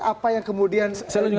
apa yang kemudian